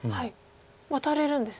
ワタれるんですね。